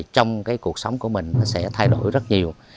trong cuộc sống của mình nó sẽ thay đổi rất nhiều